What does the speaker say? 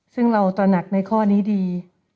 ซึ่งเราตระหนักในข้อนี้ดี